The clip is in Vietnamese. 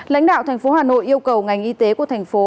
lãnh đạo tp hà nội yêu cầu ngành y tế của thành phố